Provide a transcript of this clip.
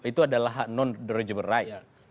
itu adalah hak non derajat berat